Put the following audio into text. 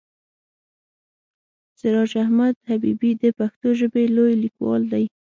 سراج احمد حبیبي د پښتو ژبې لوی لیکوال دی.